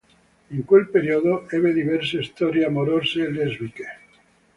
In quel periodo, ebbe diverse storie amorose lesbiche.